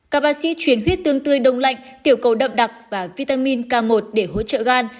các bác sĩ chuyển huyết tương tươi đông lạnh tiểu cầu đậm đặc và vitamin k một để hỗ trợ gan